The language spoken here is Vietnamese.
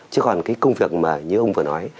chứ còn cái công việc mà như ông vừa nói